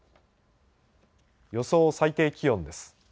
予想最低気温です。